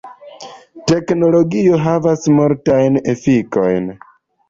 Teknologio havas multajn efikojn.